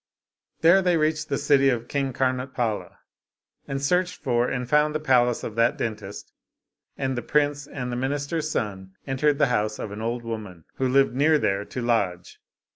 There they reached the city of King Karnotpala, and searched for and found the palace of that dentist, and the prince and the minister's son entered the house of an old woman, who lived near there, to lodge.